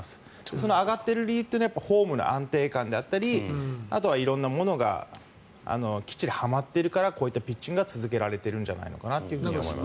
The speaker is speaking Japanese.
その上がっている理由というのはフォームの安定感であったりあとは色々なものがきっちりはまっているからこういったピッチングが続けられてるんじゃないかと思います。